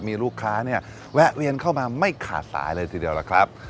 มีลูกค้าเนี่ยแวะเวียนเข้ามาไม่ขาดสายเลยทีเดียวล่ะครับ